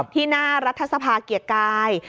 ที่หน้ารัฐสภาเกียรติกาย